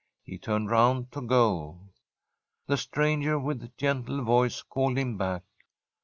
He turned round to go. The stranger with gentle voice called him back.